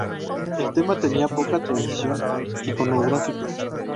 El tema tenía poca tradición iconográfica.